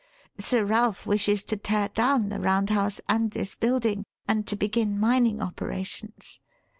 Sir Ralph wishes to tear down the Round House and this building and to begin mining operations.